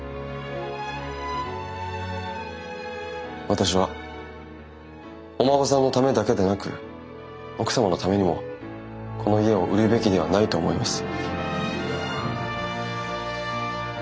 私はお孫さんのためだけでなく奥様のためにもこの家を売るべきではないと思います。